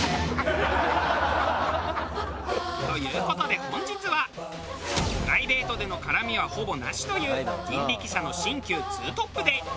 ハハハハ！という事で本日はプライベートでの絡みはほぼなしという人力舎の新旧２トップで。